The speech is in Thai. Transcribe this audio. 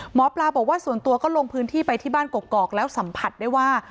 หมอปลาบอกว่าส่วนตัวก็ลงพื้นที่ไปที่บ้านกอกแล้วสัมผัสได้ว่า